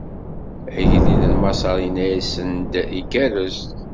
Agellid n Maṣer inna-asen-d igerrez.